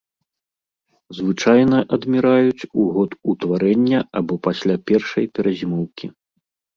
Звычайна адміраюць у год утварэння або пасля першай перазімоўкі.